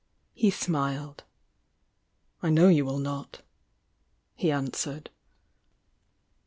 He smiled. "I know you will not," he answered.